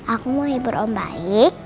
aku mau hebat om baik